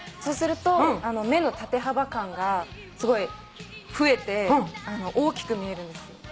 そうすると目の縦幅感がすごい増えて大きく見えるんですよ